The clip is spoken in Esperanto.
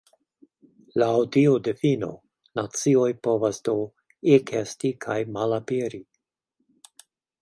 Laŭ tiu difino nacioj povas do ekesti kaj malaperi.